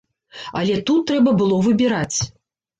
Але тут трэба было выбіраць.